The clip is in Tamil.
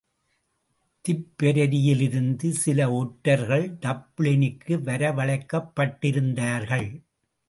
திப்பெரரியிலிருந்து சில ஒற்றர்கள் டப்ளினுக்கு வரவழைக்கப்பட்டிருந்தார்கள்.